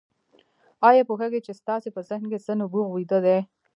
آيا پوهېږئ چې ستاسې په ذهن کې څه نبوغ ويده دی؟